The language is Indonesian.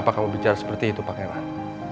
kenapa kamu bicara seperti itu pangeran